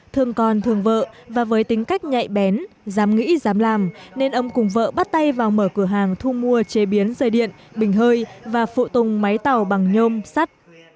thương con thương vợ và với tính cách nhạy bén dám nghĩ dám làm nên ông cùng vợ bắt tay vào mở cửa hàng thu mua chế biến dây điện bình hơi và phụ tùng máy tàu bằng nhôm sắt